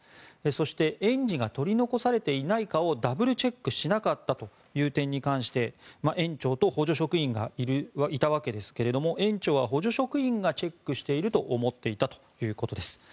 そして園児が取り残されていないかをダブルチェックしなかったという点に関して園長と補助職員がいたわけですが園長は補助職員がチェックしていると思っていたということです。